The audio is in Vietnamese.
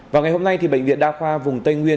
vào ngày hôm nay bệnh viện đa khoa vùng tây nguyên